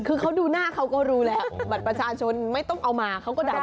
เดี๋ยวเขาดูหน้าเขาก็รู้แหละบัตรประชาชนไม่ต้องเอามาเขาก็ได้